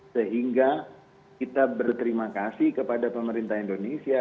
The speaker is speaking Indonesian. sehingga kita berterima kasih kepada pemerintah indonesia